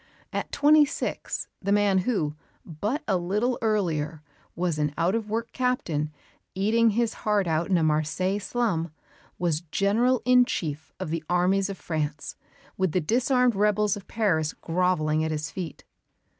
At twenty six, the man who, but a little earlier, was an out of work captain, eating his heart out in a Marseilles slum, was General in Chief of the armies of France, with the disarmed rebels of Paris grovelling at his feet.